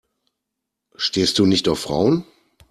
Stehst du nicht auf Frauen?